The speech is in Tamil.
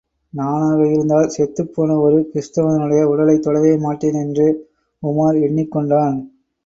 நானாக இருந்தால் செத்துப்போன ஒரு கிறிஸ்துவனுடைய உடலைத் தொடவே மாட்டேன் என்று உமார் எண்ணிக் கொண்டான்.